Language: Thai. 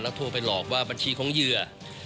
โทรไปหลอกว่าบัญชีของเหยื่อ